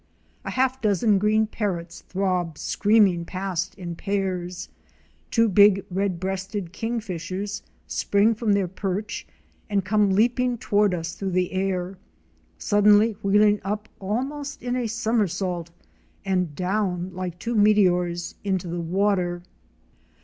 A half dozen green Parrots throb screaming past in pairs; two big Red breasted King fishers spring from their perch and come leaping toward us through the air, suddenly wheeling up almost in a somersault and down like two meteors into the water.